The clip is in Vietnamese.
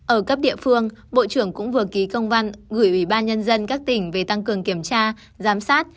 ở cấp địa phương bộ trưởng cũng vừa ký công văn gửi ủy ban nhân dân các tỉnh về tăng cường kiểm tra giám sát